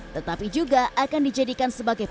tetapi juga akan dijadikan sebagai